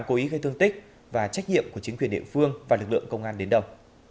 cố ý gây thương tích và trách nhiệm của chính quyền địa phương và lực lượng công an đến đâu